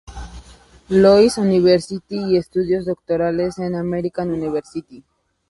Louis University y estudios doctorales en American University.